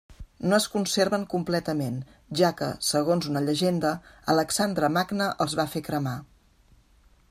No es conserven completament, ja que, segons una llegenda, Alexandre Magne els va fer cremar.